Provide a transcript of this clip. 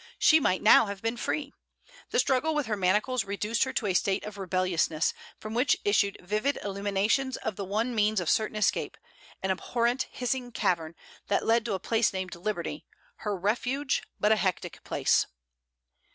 She might now have been free! The struggle with her manacles reduced her to a state of rebelliousness, from which issued vivid illuminations of the one means of certain escape; an abhorrent hissing cavern, that led to a place named Liberty, her refuge, but a hectic place.